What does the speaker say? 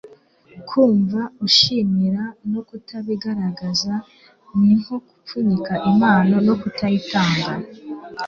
kumva ushimira no kutabigaragaza ni nko gupfunyika impano no kutayitanga